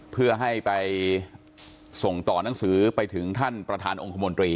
เพื่อให้ไปส่งต่อหนังสือไปถึงท่านประธานองค์คมนตรี